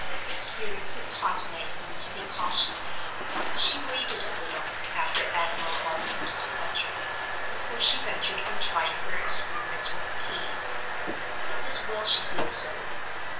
Experience had taught Magdalen to be cautious. She waited a little, after Admiral Bartram's departure, before she ventured on trying her experiment with the keys. It was well she did so.